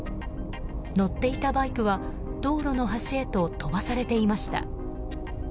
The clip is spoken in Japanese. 乗っていたバイクは道路の端へと飛ばされていました。